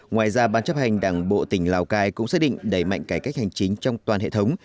ngoài ra ban chấp hành đảng bộ tỉnh lào cai cũng xác định đẩy mạnh cải cách hành chính trong toàn hệ thống